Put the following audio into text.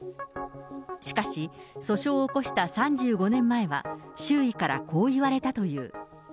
しかし、訴訟を起こした３５年前は、周囲からこう言われたという。